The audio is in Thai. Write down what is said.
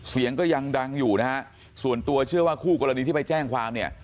เสียงก็ยังดังอยู่นะฮะส่วนตัวเชื่อว่าคู่กรณีที่ไปแจ้งความเนี่ย